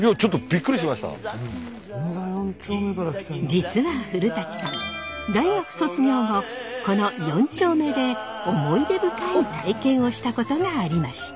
実は古さん大学卒業後この四丁目で思い出深い体験をしたことがありました。